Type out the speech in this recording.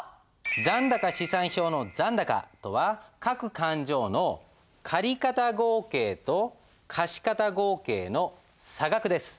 残高試算表の残高とは各勘定の借方合計と貸方合計の差額です。